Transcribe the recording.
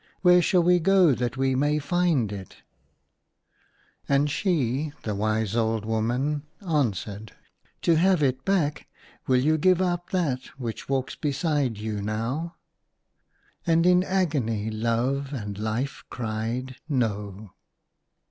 Where shall we go that we may find it ?" And she, the wise old woman, an swered, " To have it back, will you give up that which walks beside you now }" And in agony Love and Life cried, "No!"